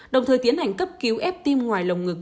đồng thời tiến hành cấp cứu ép tim ngoài lồng ngực